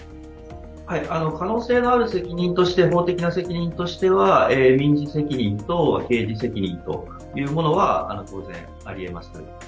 可能性のある法的な責任としては民事責任と刑事責任というものは当然ありえます。